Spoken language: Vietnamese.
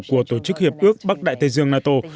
của tổ chức hiệp ước bắc đại tây dương nato